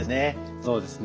そうですね。